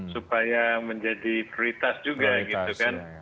supaya menjadi prioritas juga gitu kan